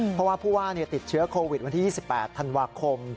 เพราะว่าผู้ว่าติดเชื้อโควิดวันที่๒๘ธันวาคม